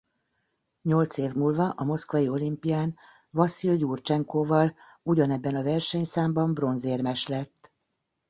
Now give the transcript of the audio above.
Nyolc év múlva a moszkvai olimpián Vaszil Jurcsenko-val ugyanebben a versenyszámban bronzérmes lett.